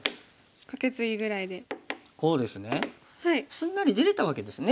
すんなり出れたわけですね